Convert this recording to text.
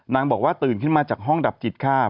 บอกว่าตื่นขึ้นมาจากห้องดับจิตข้าม